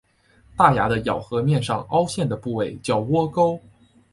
大牙的咬合面上凹陷的部位叫窝沟。